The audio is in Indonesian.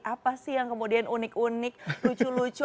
apa sih yang kemudian unik unik lucu lucu